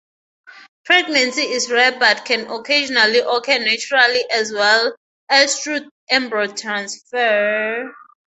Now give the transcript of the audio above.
Pregnancy is rare, but can occasionally occur naturally as well as through embryo transfer.